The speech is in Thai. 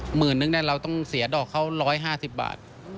หมื่นนึงนี่เราต้องเสียดอกเขาร้อยห้าสิบบาท